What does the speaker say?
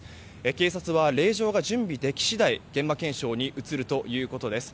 警察は、令状が準備でき次第現場検証に移るということです。